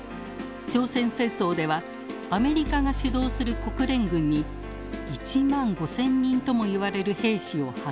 朝鮮戦争ではアメリカが主導する国連軍に１万５，０００人ともいわれる兵士を派遣。